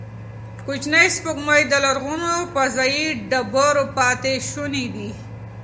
کوچنۍ سپوږمۍ د لرغونو فضايي ډبرو پاتې شوني دي.